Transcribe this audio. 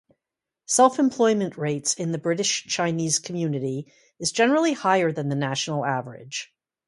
Self-employment rates in the British Chinese community is generally higher than the national average.